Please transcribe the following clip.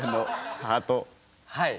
はい。